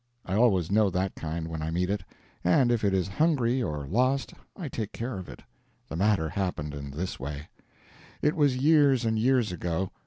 I always know that kind when I meet it, and if it is hungry or lost I take care of it. The matter happened in this way: It was years and years ago.